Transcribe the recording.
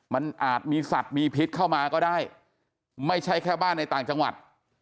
มันอาจมีสัตว์มีพิษเข้ามาก็ได้ไม่ใช่แค่บ้านในต่างจังหวัด